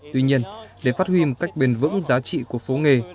tuy nhiên để phát huy một cách bền vững giá trị của phố nghề